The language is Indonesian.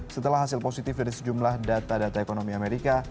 setelah hasil positif dari sejumlah data data ekonomi amerika